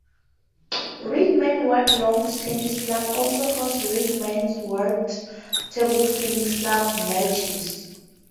Rickmansworth Lawn Tennis Club also hosts Rickmansworth table tennis club matches.